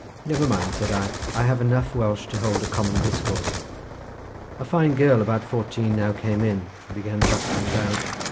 "Never mind," said I, "I have enough Welsh to hold a common discourse." A fine girl about fourteen now came in, and began bustling about.